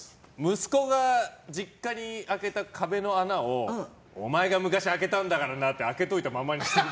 息子が実家に開けた壁の穴をお前が昔、開けたんだからなって開けといたままにしとく。